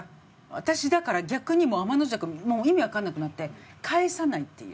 私だから逆にもう天邪鬼もう意味わかんなくなって返さないっていう。